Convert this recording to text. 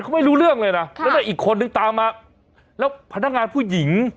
เขาไม่รู้เรื่องเลยนะแล้วเนี่ยอีกคนนึงตามมาแล้วพนักงานผู้หญิง